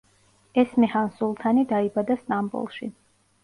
ესმეჰან სულთანი დაიბადა სტამბოლში.